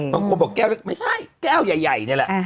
บางคนบอกแก้วเล็กไม่ใช่แก้วใหญ่นี่แหละ